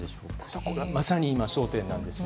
そこがまさに焦点です。